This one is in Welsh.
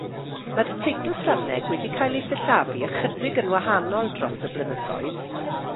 Mae'r teitl Ffrangeg wedi cael ei sillafu ychydig yn wahanol dros y blynyddoedd.